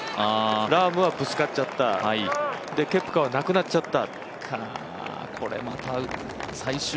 ラームはぶつかっちゃった、ケプカはなくなっちゃった。